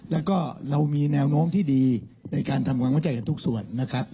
และเรามีแนวโน้มที่ดีในการทำความมากใจกับทุกส่วน